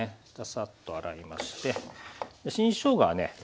ササッと洗いまして新しょうがはね